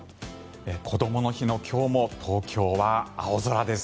こどもの日の今日も東京は青空です。